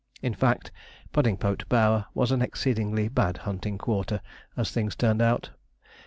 In fact, Puddingpote Bower was an exceedingly bad hunting quarter, as things turned out.